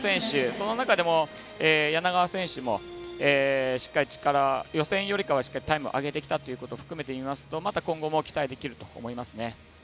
その中でも柳川選手もしっかり力、予選よりかはタイムを上げてきたことを含めて見ますとまた今後も期待できると思います。